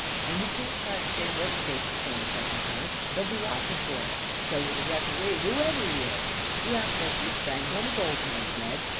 And we can't try the same white face stunt a second time on him. He'll be watching for it. So will the ref'ree, whoever he is. You act like you'd brang home a gold mine, Red.